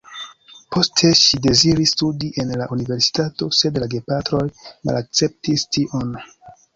Poste ŝi deziris studi en la universitato, sed la gepatroj malakceptis tion.